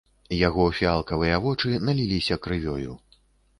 Яго фіялкавыя вочы наліліся крывёю.